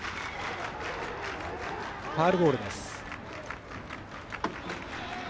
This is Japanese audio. ファウルボールです。